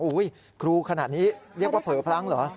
ครูขนาดนี้เรียกว่าเผลอพลั้งเหรอ